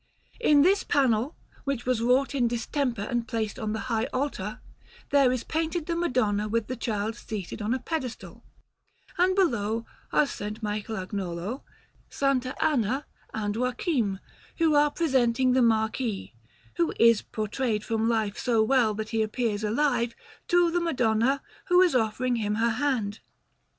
In this panel, which was wrought in distemper and placed on the high altar, there is painted the Madonna with the Child seated on a pedestal; and below are S. Michelagnolo, S. Anna, and Joachim, who are presenting the Marquis who is portrayed from life so well that he appears alive to the Madonna, who is offering him her hand.